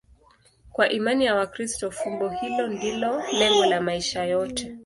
Kwa imani ya Wakristo, fumbo hilo ndilo lengo la maisha yote.